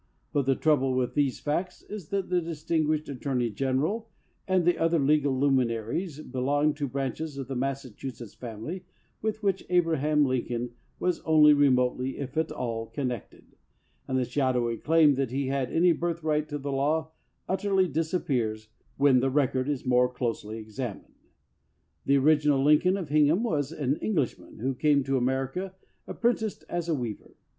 But the trouble with these facts is that the distinguished Attorney General and the other legal luminaries belonged to branches of the Massachusetts family with which Abraham Lincoln was only remotely, if at all, connected ; and the shadowy claim that he had any birthright to the law utterly disappears when the record is more closely examined. The original Lincoln of Hingham was an Englishman who came to America apprenticed as a weaver.